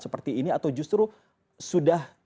seperti ini atau justru sudah